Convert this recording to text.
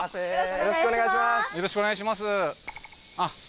よろしくお願いします